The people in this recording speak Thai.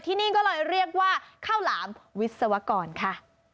ที่นี่ก็เลยเรียกว่าข้าวหลามวิศวกรค่ะ